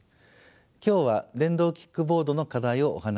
今日は電動キックボードの課題をお話しします。